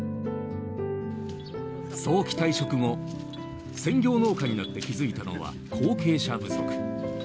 早期退職後専業農家になって気づいたのは後継者不足。